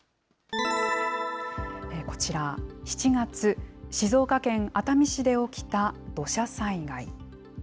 こちら、７月、静岡県熱海市で起きた土砂災害。